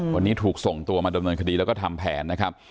ตัวนี้ถูกส่งมาแล้วก็ทำแผนนะครับ